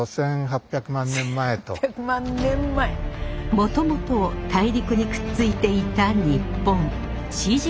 もともと大陸にくっついていた日本。